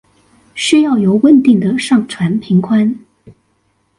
需要有穩定的上傳頻寬